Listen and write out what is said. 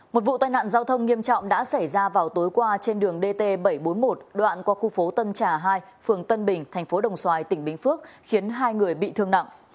một vụ tai nạn giao thông nghiêm trọng đã xảy ra vào tối qua trên đường dt bảy trăm bốn mươi một đoạn qua khu phố tân trà hai phường tân bình thành phố đồng xoài tỉnh bình phước khiến hai người bị thương nặng